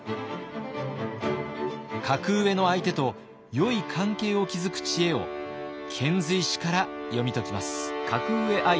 格上の相手とよい関係を築く知恵を遣隋使から読み解きます。